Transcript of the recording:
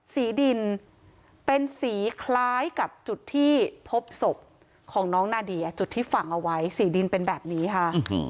สีดินเป็นสีคล้ายกับจุดที่พบศพของน้องนาเดียจุดที่ฝังเอาไว้สีดินเป็นแบบนี้ค่ะ